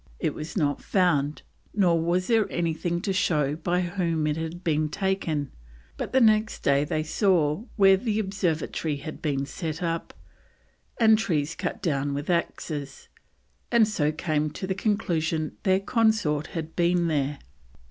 It was not to be found, nor was there anything to show by whom it had been taken, but the next day they saw where an observatory had been set up, and trees cut down with axes, and so came to the conclusion their consort had been there.